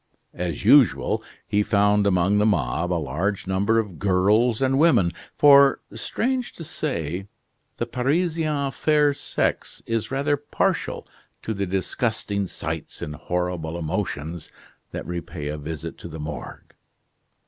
As usual, he found among the mob a large number of girls and women; for, strange to say, the Parisian fair sex is rather partial to the disgusting sights and horrible emotions that repay a visit to the Morgue.